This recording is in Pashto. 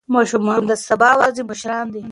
ماشومان د سبا ورځې مشران دي.